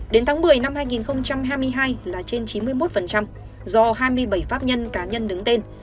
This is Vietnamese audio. đến tháng một mươi năm hai nghìn hai mươi hai là trên chín mươi một do hai mươi bảy pháp nhân cá nhân đứng tên